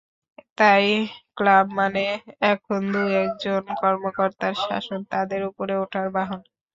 তাই ক্লাব মানে এখন দু-একজন কর্মকর্তার শাসন, তাঁদের ওপরে ওঠার বাহন।